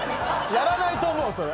やらないと思うそれ。